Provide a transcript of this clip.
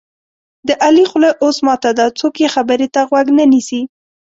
د علي خوله اوس ماته ده څوک یې خبرې ته غوږ نه نیسي.